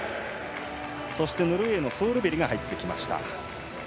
ノルウェーのソールベリが入ってきました。